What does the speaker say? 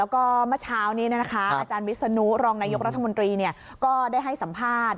แล้วก็เมื่อเช้านี้อาจารย์วิศนุรองนายกรัฐมนตรีก็ได้ให้สัมภาษณ์